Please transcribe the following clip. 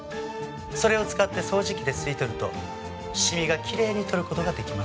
それを使って掃除機で吸い取るとシミがきれいに取る事が出来ます。